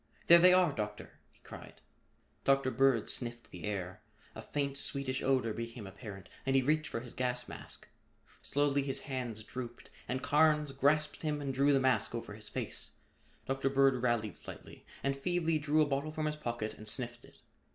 "There they are, Doctor!" he cried. Dr. Bird sniffed the air. A faint sweetish odor became apparent and he reached for his gas mask. Slowly his hands drooped and Carnes grasped him and drew the mask over his face. Dr. Bird rallied slightly and feebly drew a bottle from his pocket and sniffed it.